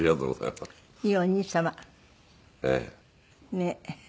ねえ。